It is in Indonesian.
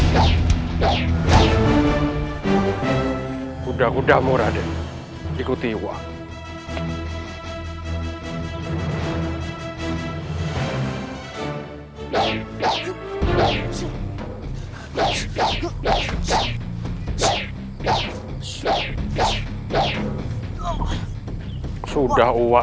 sampai jumpa di video selanjutnya